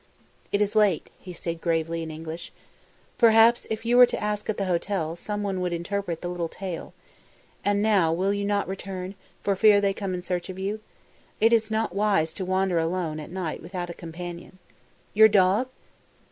"It is late," he said gravely in English. "Perhaps if you were to ask at the hotel, someone would interpret the little tale. And now will you not return, for fear they come in search of you? It is not wise to wander alone, at night, without a companion. Your dog